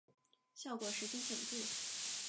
效果十分显著